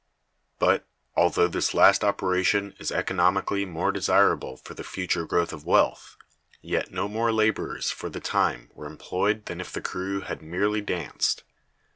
But, although this last operation is economically more desirable for the future growth of wealth, yet no more laborers for the time were employed than if the crew had merely danced.